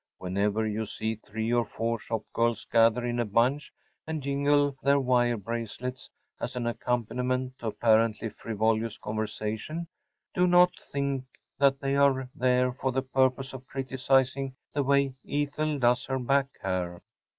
Whenever you see three or four shop girls gather in a bunch and jingle their wire bracelets as an accompaniment to apparently frivolous conversation, do not think that they are there for the purpose of criticizing the way Ethel does her back hair.